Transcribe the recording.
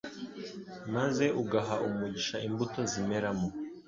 maze ugaha umugisha imbuto zimeramo